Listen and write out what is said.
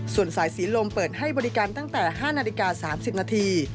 ส่วนสายศรีลมเปิดให้บริการตั้งแต่๕นาฬิกา๓๐นาที